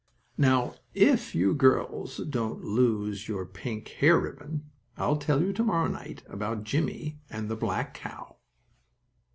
Now, if you girls don't lose your pink hair ribbon I'll tell you to morrow night about Jimmie and the black cow.